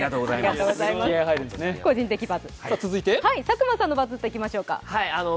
佐久間さんのバズったいきましょうか。